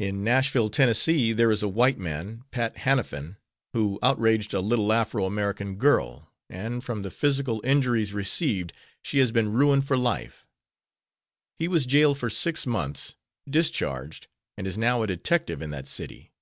In Nashville, Tenn., there is a white man, Pat Hanifan, who outraged a little Afro American girl, and, from the physical injuries received, she has been ruined for life. He was jailed for six months, discharged, and is now a detective in that city.